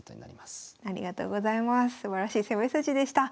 すばらしい攻め筋でした。